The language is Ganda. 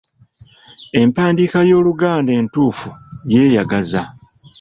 Empandiika y’Oluganda entuufu yeeyagaza.